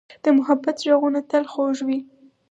د محبت ږغونه تل خوږ وي.